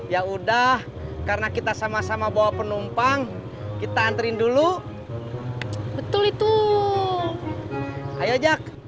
ya udah karena kita sama sama bawa penumpang kita anterin dulu betul itu ayo ajak